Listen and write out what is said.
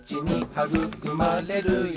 「はぐくまれるよ